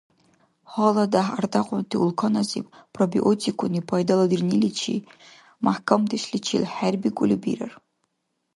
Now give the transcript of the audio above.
ГьаладяхӀ ардякьунти улкназиб пробиотикуни пайдаладирниличи мяхӀкамдешличил хӀербикӀули бирар.